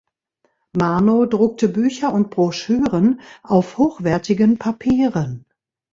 Mano druckte Bücher und Broschüren auf hochwertigen Papieren.